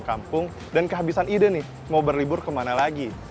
kampung dan kehabisan ide nih mau berlibur kemana lagi